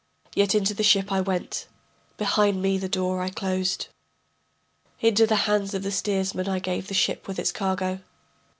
Yet into the ship I went, behind me the door I closed. Into the hands of the steersman I gave the ship with its cargo.